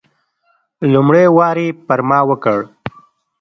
لومړی وار یې پر ما وکړ.